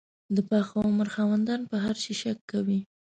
د پاخه عمر خاوندان په هر شي شک کوي.